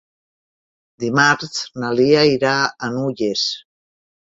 Dimarts na Lia irà a Nulles.